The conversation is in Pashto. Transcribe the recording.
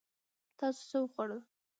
تاسو څه وخوړل؟